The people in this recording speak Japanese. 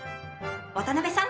渡邉さん